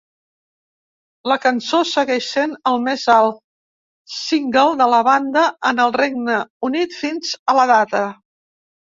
La cançó segueix sent el més alt single de la banda en el Regne Unit fins a la data.